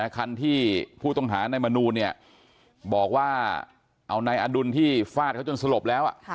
คันที่ผู้ต้องหาในมนูลบอกว่าเอานายอดุลที่ฟาดเขาจนสลบแล้ว